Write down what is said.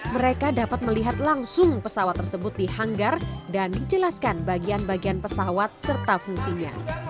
mereka dapat melihat langsung pesawat tersebut di hanggar dan dijelaskan bagian bagian pesawat serta fungsinya